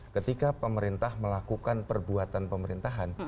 ketika pemerintah melakukan perbuatan pemerintahan